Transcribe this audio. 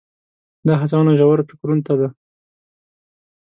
دا هڅونه ژورو فکرونو ته ده.